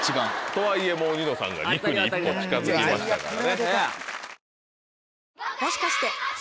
とはいえもうニノさんが肉に一歩近づきましたからね。